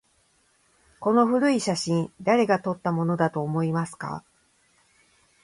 この古い写真、誰が撮ったものだと思いますか？